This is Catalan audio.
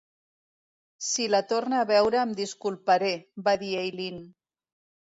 Si la torne a veure em disculparé, va dir Eileen.